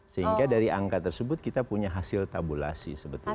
sehingga dari angka tersebut kita punya hasil tabulasi sebetulnya